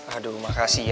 aduh makasih ya